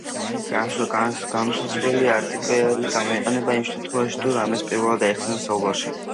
განუსაზღვრელი არტიკლი გამოიყენება იმ შემთხვევაში, თუ რამეს პირველად ახსენებენ საუბარში.